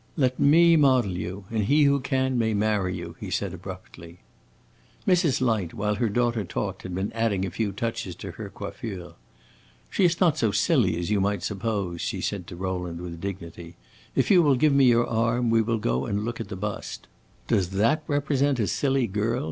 "Let me model you, and he who can may marry you!" he said, abruptly. Mrs. Light, while her daughter talked, had been adding a few touches to her coiffure. "She is not so silly as you might suppose," she said to Rowland, with dignity. "If you will give me your arm, we will go and look at the bust." "Does that represent a silly girl?"